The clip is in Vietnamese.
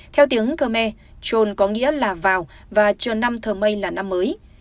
theo tiếng khơ me trôn có nghĩa là vào và trần năm thơ mây là năm mới